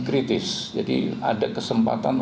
kritis jadi ada kesempatan